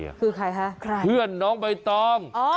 คือใครครับเครื่อนน้องใบตอง